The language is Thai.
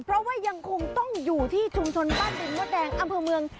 เพราะว่ายังคงต้องอยู่ที่ชุมชนบ้านดินมดแดงอำเภอเมือง